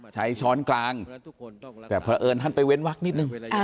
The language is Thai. ช้อนกลางแต่เพราะเอิญท่านไปเว้นวักนิดนึง